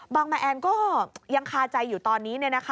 บังบังแอลยังคาใจอยู่ตอนนี้